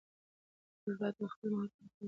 موږ باید پر خپلو مهارتونو کار ته دوام ورکړو